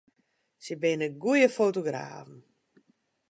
Sy binne goede fotografen.